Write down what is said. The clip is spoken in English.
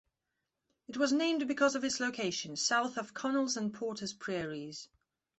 It was named because of its location, south of Connell's and Porter's prairies.